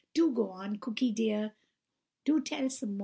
Do go on, Cooky dear! do tell some more!